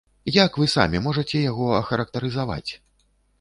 Як вы самі можаце яго ахарактарызаваць?